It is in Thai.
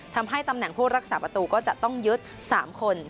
ทำให้ตำแหน่งผู้รักษาประตูก็จะต้องยึด๓คน